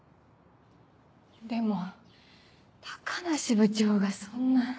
でも高梨部長がそんな。